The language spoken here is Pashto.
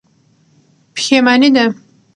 پښېماني ده.